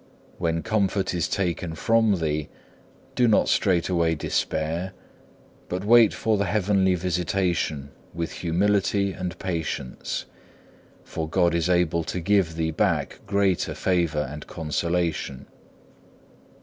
When comfort is taken from thee, do not straightway despair, but wait for the heavenly visitation with humility and patience, for God is able to give thee back greater favour and consolation.